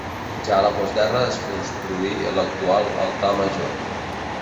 Ja a la postguerra es construí l'actual altar major.